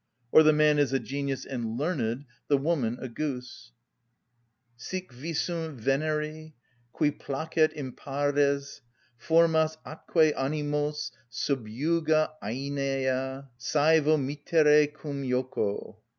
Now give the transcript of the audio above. or the man is a genius and learned, the woman a goose: "Sic visum Veneri; cui placet impares Formas atque animos sub juga aënea _Sævo mittere cum joco.